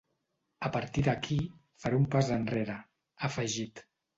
A partir d’aquí, faré un pas enrere, ha afegit.